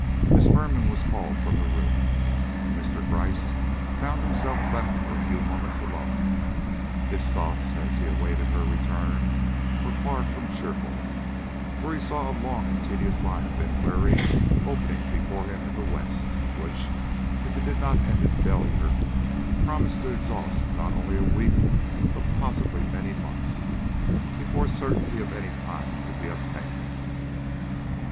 Miss Firman was called from the room, and Mr. Gryce found himself left for a few moments alone. His thoughts, as he awaited her return, were far from cheerful, for he saw a long and tedious line of inquiry opening before him in the West, which, if it did not end in failure, promised to exhaust not only a week, but possibly many months, before certainty of any kind could be obtained.